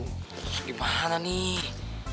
terus gimana nih